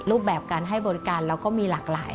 รูปแบบการให้บริการเราก็มีหลากหลาย